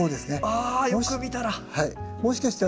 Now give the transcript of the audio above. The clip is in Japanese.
あよく見たら。